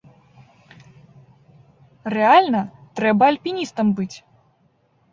Рэальна, трэба альпіністам быць!